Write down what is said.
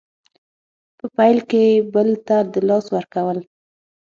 په پیل کې بل ته د لاس ورکول